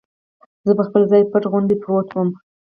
زه پر خپل ځای بت غوندې پروت ووم.